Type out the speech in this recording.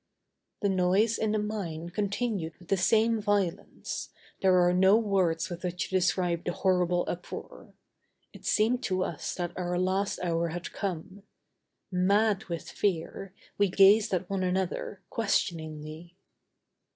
The noise in the mine continued with the same violence; there are no words with which to describe the horrible uproar. It seemed to us that our last hour had come. Mad with fear, we gazed at one another, questioningly.